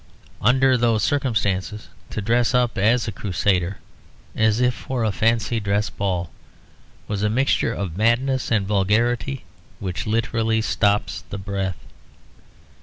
Under those circumstances to dress up as a Crusader, as if for a fancy dress ball, was a mixture of madness and vulgarity which literally stops the breath.